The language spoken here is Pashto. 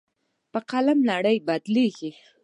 په قلم نړۍ بدلېږي.